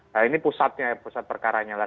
nah ini pusatnya ya pusat perkaranya lah